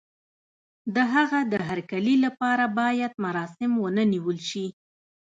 د هغه د هرکلي لپاره بايد مراسم ونه نيول شي.